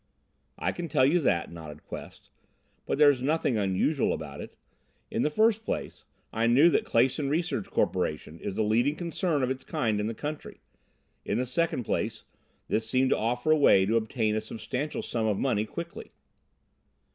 "I can tell you that," nodded Quest, "but there's nothing unusual about it. In the first place, I knew that the Clason Research Corporation is the leading concern of its kind in the country. In the second place, this seemed to offer a way to obtain a substantial sum of money quickly."